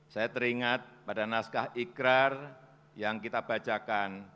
saya teringat pada naskah ikrar yang kita bacakan